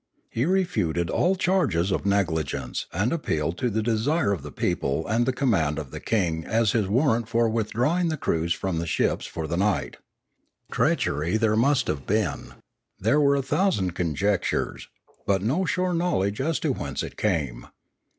He refuted all charges of negligence, and appealed to the desire of the people and the command of the king as his warrant for withdrawing the crews from the ships for the night. Treachery there must have been ; there were a thousand conjectures, but no sure knowledge as to whence it came.